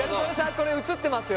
これ映ってますよ？